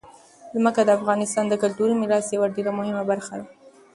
ځمکه د افغانستان د کلتوري میراث یوه ډېره مهمه برخه ده.